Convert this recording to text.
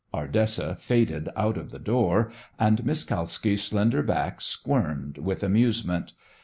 Ardessa faded out of the door, and Miss Kalski's slender back squirmed with amusement.